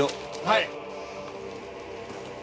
はい。